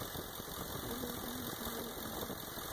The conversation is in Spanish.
Tiene un clima cálido y húmedo.